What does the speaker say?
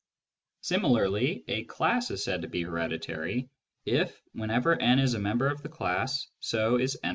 Similarly a class is said to be " heredi tary " if, whenever n is a member of the class, so is w+i.